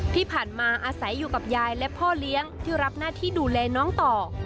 ที่ผ่านมาอาศัยอยู่กับยายและพ่อเลี้ยงที่รับหน้าที่ดูแลน้องต่อ